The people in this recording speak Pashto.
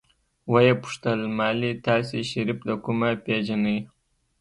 ويې پوښتل مالې تاسې شريف د کومه پېژنئ.